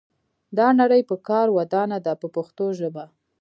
دا نړۍ په کار ودانه ده په پښتو ژبه.